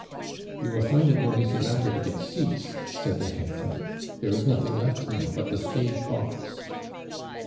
"You will find it no easy matter to get seats," said the head clerk. "There is nothing left now but the stage box."